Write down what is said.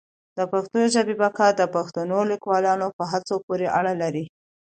د پښتو ژبي بقا د پښتنو لیکوالانو په هڅو پوري اړه لري.